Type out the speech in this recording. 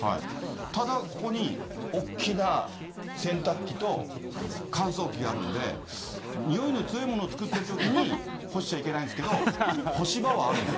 ただ、ここに大きな洗濯機と乾燥機があるので、匂いの強いものを作ってるときに干しちゃいけないんですけど、干し場はあるんです。